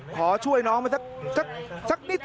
ขอช่วยน้องมาสักนิด